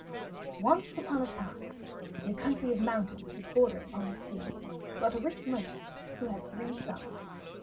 ] Once upon a time, in a country of mountains which bordered upon the sea, dwelt a rich merchant who had three sons.